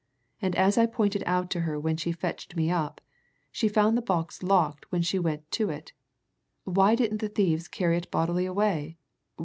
And as I pointed out to her when she fetched me up, she found this box locked when she went to it why didn't the thieves carry it bodily away?